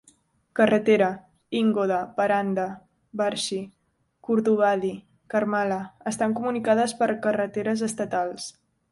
Carretera: Ingoda, Paranda, Barshi, Kurduvadi i Karmala estan comunicades per carreteres estatals.